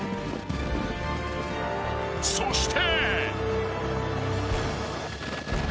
［そして］